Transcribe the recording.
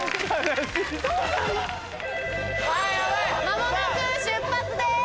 間もなく出発です！